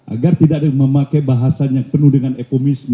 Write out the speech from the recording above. agar tidak ada yang memakai bahasa yang penuh dengan epomisme